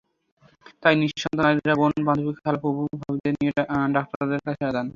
তাই নিঃসন্তান নারীরা বোন, বান্ধবী, খালা, ফুফু, ভাবিদের নিয়ে ডাক্তারের কাছে যান।